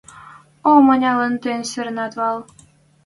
О, малын тӹнь сиренӓт вӓл?!